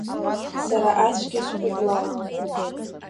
Сара ацәгьа сҟәыблаауп.